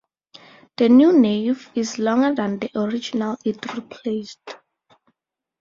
The new nave is longer than the original it replaced.